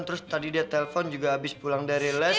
terus tadi dia telpon juga abis pulang dari les